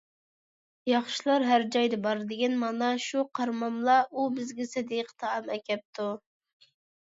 ياخشىلار ھەر جايدا بار، دېگەن مانا شۇ، قارىماملا، ئۇ بىزگە سەدىقە تائام ئەكەپتۇ!